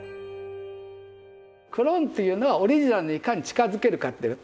クローンっていうのはオリジナルにいかに近づけるか。